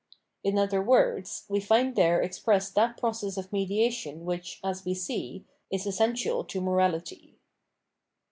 In other words, we find there exp)ressed that process of mediation which, as we see, is essential to morality.